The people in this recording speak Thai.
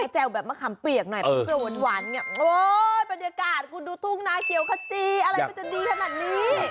แจ่วแบบมะขำเปียกหน่อยโอ้ยบรรยากาศคุณดูทุ่งน้าเขียวขจีอะไรมันจะดีขนาดนี้